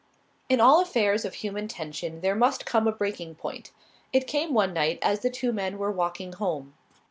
In all affairs of human tension there must come a breaking point. It came one night as the two men were walking home.